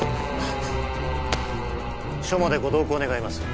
署までご同行願います